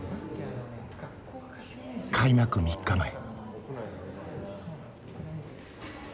開幕３日前。